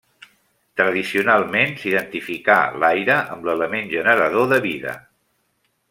Tradicionalment s'identificà l'aire amb l'element generador de vida.